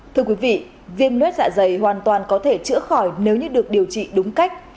thưa quý vị viêm luet dạ dày hoàn toàn có thể chữa khỏi nếu như được điều trị đúng cách